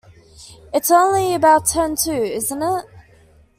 It's only about ten to, isn't it?